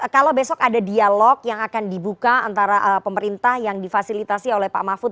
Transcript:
kalau besok ada dialog yang akan dibuka antara pemerintah yang difasilitasi oleh pak mahfud